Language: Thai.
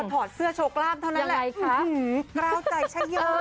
ถอดเสื้อโชคราบเท่านั้นแหละยังไงคะกล้าวใจใช่เยอะเลย